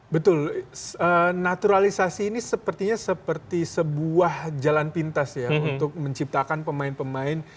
betul naturalisasi ini sepertinya seperti sebuah jalan pintas ya untuk menciptakan pemain pemain